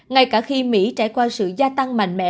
ngay cả khi mỹ trải qua sự gia tăng mạnh mẽ